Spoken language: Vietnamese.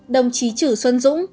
đồng chí chử xuân dũng